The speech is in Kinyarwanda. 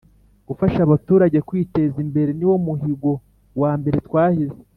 Gufasha abaturage kwiteza imbere niwo muhigo wa mbere twahize